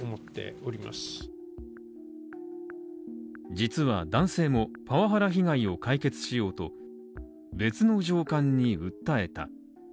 実は男性もパワハラ被害を解決しようと別の上官に訴えた。